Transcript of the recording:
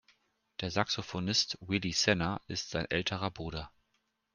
Der Saxophonist Willi Sanner ist sein älterer Bruder.